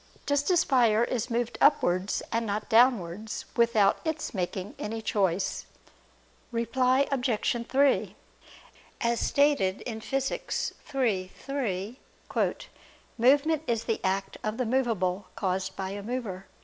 Just as fire is moved upwards and not downwards, without its making any choice. Reply Obj. 3: As stated in Phys. iii, 3 "movement is the act of the movable, caused by a mover."